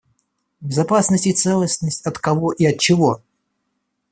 Безопасность и целостность от кого и от чего?